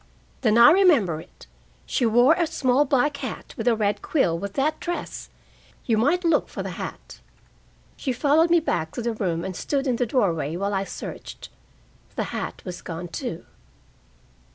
"Then I remember it. She wore a small black hat with a red quill with that dress. You might look for the hat." She followed me back to the room and stood in the doorway while I searched. The hat was gone, too.